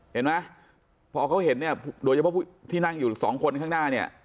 เห็นมั้ยพอเขาเห็นโดยเฉพาะที่นั่งอยู่สองคนข้างหน้านี่